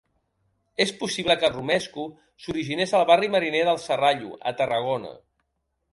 És possible que el romesco s'originés al barri mariner del Serrallo, a Tarragona.